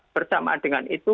bersamaan dengan itu